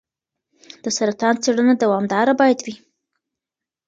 د سرطان څېړنه دوامداره باید وي.